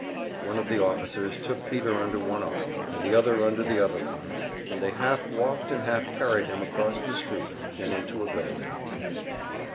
One of the officers took Peter under one arm, and the other under the other arm, and they half walked and half carried him across the street and into a building.